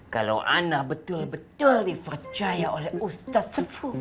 kalau anak betul betul dipercaya oleh ustaz sifu